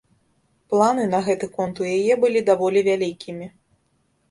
Планы на гэты конт у яе былі даволі вялікімі.